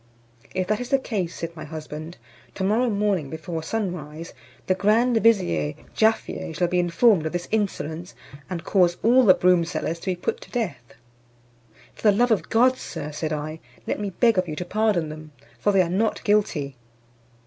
"If that is the case," said my husband, "to morrow morning, before sun rise, the grand vizier Jaaffier shall be informed of this insolence, and cause all the broom sellers to be put to death." "For the love of God, Sir," said I, "let me beg of you to pardon them, for they are not guilty."